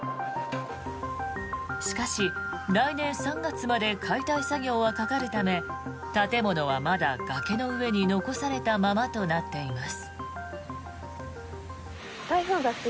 しかし、来年３月まで解体作業はかかるため建物はまだ崖の上に残されたままとなっています。